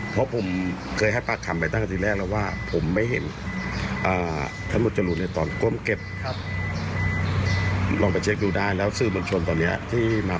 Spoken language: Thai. คือให้การแบบนี้ได้แต่ภาพเจ็ดแล้วว่า